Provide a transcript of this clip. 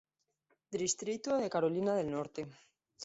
Distrito de Carolina del Norte.